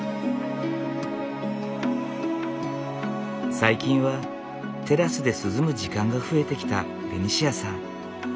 最近はテラスで涼む時間が増えてきたベニシアさん。